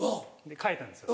書いたんですよ